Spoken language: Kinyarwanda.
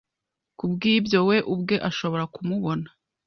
kubwibyo we ubwe ashobora kumubona